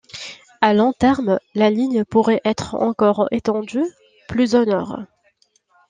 À long terme, la ligne pourrait être encore étendue plus au nord.